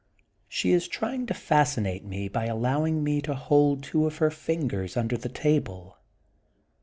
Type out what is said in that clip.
She is trying to fascinate me by allowing me to hold two of her fingers under the table.